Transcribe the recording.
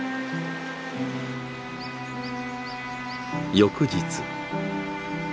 翌日。